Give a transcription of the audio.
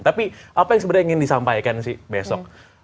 tapi apa yang sebenarnya ingin disampaikan sih besok